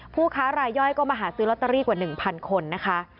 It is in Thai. ผู้ค้ารายย่อยก็มาหาซื้อลอตเตอรี่กว่า๑๐๐คนนะคะ